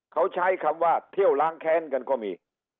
เขาใช้คำว่าเที่ยวล้างแค้นกันก็มี